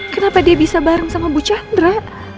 kenapa dia bisa bareng sama bu chandra